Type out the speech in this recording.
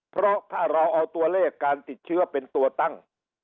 เพราะถ้าเราเอาตัวเลขการติดเชื้อเป็นตัวตั้ง